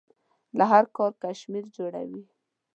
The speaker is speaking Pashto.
له هر کار کشمیر جوړوي.